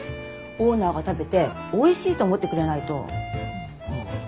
オーナーが食べておいしいと思ってくれないと。